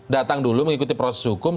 datang dulu mengikuti proses hukum